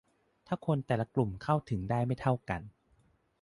ถ้าคนแต่ละกลุ่มเข้าถึงได้ไม่เท่ากัน